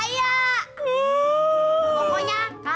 dengan sangat terpaksa